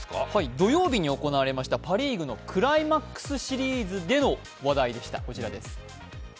土曜日に行われましたパ・リーグのクライマックスシーズでの話題でした。